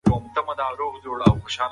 موږ په خپله ژبه شعرونه او سندرې لرو.